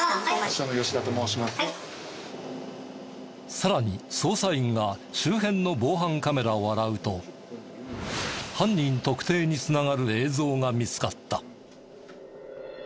さらに捜査員が周辺の防犯カメラを洗うと犯人特定に繋がる映像が見つかった。